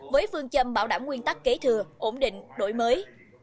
với phương châm bảo đảm nguyên tắc kế thừa ổn định đổi mới